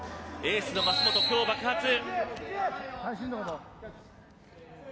エースの舛本、今日爆発。